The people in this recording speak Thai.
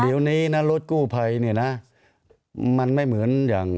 เดี๋ยวนี้นะรถกู้ภัยเนี่ยนะมันไม่เหมือนอย่าง